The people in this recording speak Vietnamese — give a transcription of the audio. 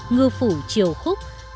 ngư phủ chiều khúc